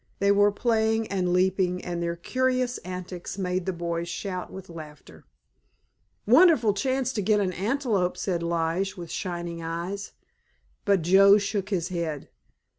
They were playing and leaping, and their curious antics made the boys shout with laughter. "Wonderful chance to get an antelope," said Lige with shining eyes; but Joe shook his head.